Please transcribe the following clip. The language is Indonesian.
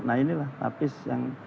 nah inilah tapis yang ada